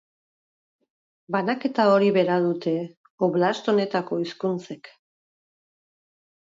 Banaketa hori bera dute oblast honetako hizkuntzek.